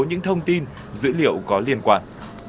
những thông tin dữ liệu có liên quan